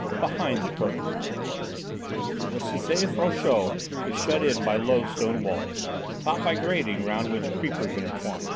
III BEHIND THE CURTAIN The Cité Frochot is shut in by low stone walls, topped by grating round which creepers intertwine.